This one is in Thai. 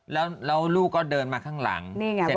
แล้วลูกก็เดินมาข้างหลัง